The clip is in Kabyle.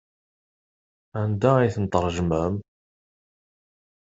Anda ay ten-tṛejmem?